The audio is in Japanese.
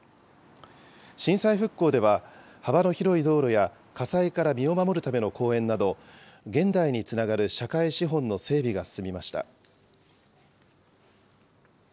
震災復興では、幅の広い道路や火災から身を守るための公園など、現代につながる社会資本の整備が進みました。